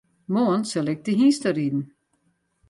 Moarn sil ik te hynsteriden.